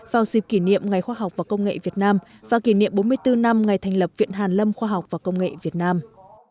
vào dịp kỷ niệm ngày khoa học và công nghệ việt nam và kỷ niệm bốn mươi bốn năm ngày thành lập viện hàn lâm khoa học và công nghệ việt nam